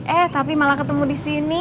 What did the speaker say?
eh tapi malah ketemu di sini